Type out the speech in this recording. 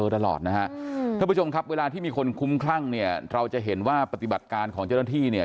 ท่านผู้ชมครับเวลาที่มีคนคุ้มครั่งเราจะเห็นว่าปฏิบัติการของเจ้าหน้าที่